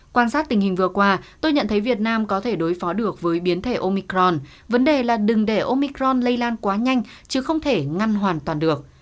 quan sát tình hình vừa qua tôi nhận thấy việt nam có thể đối phó được với biến thể omicron vấn đề là đừng để omicron lây lan quá nhanh chứ không thể ngăn hoàn toàn được